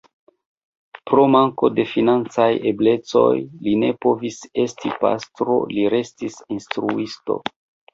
Pro manko de financaj eblecoj li ne povis esti pastro, li restis instruisto.